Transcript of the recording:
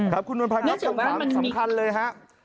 ครับคุณนวลพันธ์ครับคำถามสำคัญเลยฮะ